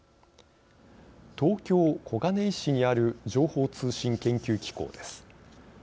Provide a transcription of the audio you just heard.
東京、小金井市にある情報通信研究機構です。